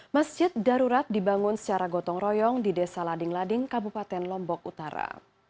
masjid darurat dibangun secara gotong royong di desa lading lading kabupaten lombok utara